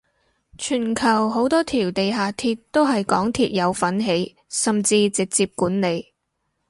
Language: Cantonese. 全球好多條地下鐵都係港鐵有份起甚至直接管理